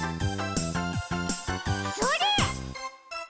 それ！